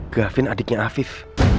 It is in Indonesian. gavin adiknya alvis